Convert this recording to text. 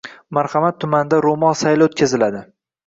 Marhamat tumanida “Ro‘mol sayli” o‘tkaziladi